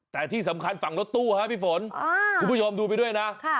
แต่ที่สำคัญฝั่งรถตู้ครับพี่ฝนคุณผู้ชมดูไปด้วยนะ